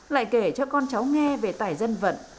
lại kể cho con cháu nghe về tài dân vận